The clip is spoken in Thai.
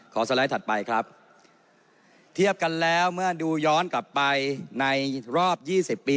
สไลด์ถัดไปครับเทียบกันแล้วเมื่อดูย้อนกลับไปในรอบยี่สิบปี